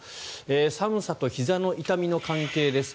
寒さとひざの痛みの関係です。